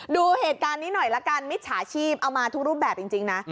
ดูเหตุการณ์นี้หน่อยละกันมิจฉาชีพเอามาทุกรูปแบบจริงนะ